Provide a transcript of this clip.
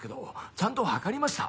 ちゃんと測りました？